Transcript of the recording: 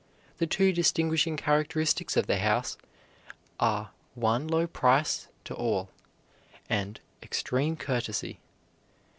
The two distinguishing characteristics of the house are one low price to all, and extreme courtesy.